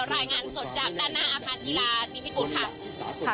รายงานสดจากด้านหน้าอาคารกีฬามีพิกุลค่ะ